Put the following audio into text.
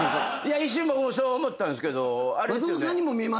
一瞬僕もそう思ったんですけどあれですよね。